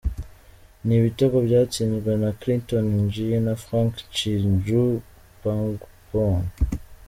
Ni ibitego byatsinzwe na Clinton Njie na Franck Tchidjui Pangop.